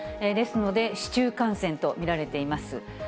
ですので、市中感染と見られています。